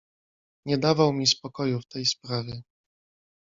"Nie dawał mi spokoju w tej sprawie."